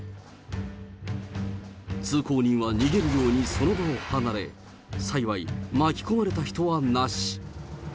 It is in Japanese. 通行人は逃げるようにその場を離れ、幸い、巻き込まれた人はなし。